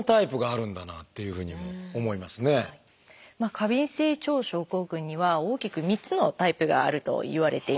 過敏性腸症候群には大きく３つのタイプがあるといわれています。